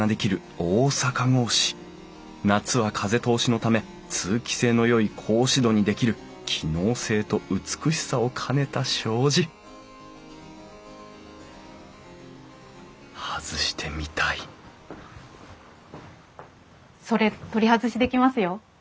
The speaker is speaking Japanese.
夏は風通しのため通気性のよい格子戸にできる機能性と美しさを兼ねた障子外してみたいそれ取り外しできますよ。